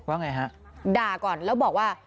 ว่าไงฮะด่าก่อนแล้วบอกว่า